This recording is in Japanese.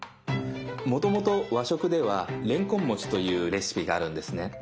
もともと和食ではれんこん餅というレシピがあるんですね。